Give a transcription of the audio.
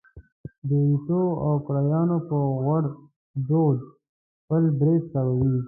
د وریتو او کړایانو پر غوړ دود خپل برېت تاووي.